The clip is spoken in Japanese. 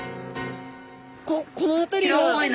この辺りは。